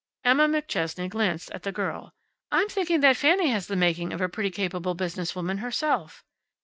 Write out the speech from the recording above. Emma McChesney glanced at the girl. "I'm thinking that Fanny has the making of a pretty capable business woman herself."